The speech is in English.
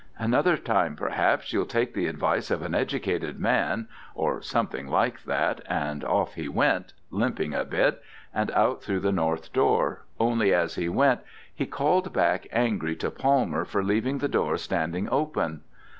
Another time perhaps you'll take the advice of an educated man' or something like that, and off he went, limping a bit, and out through the north door, only as he went he called back angry to Palmer for leaving the door standing open.